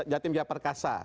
jatim jaya perkasa